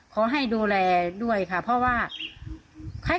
ขอให้ดูแลด้วยค่ะเพราะว่า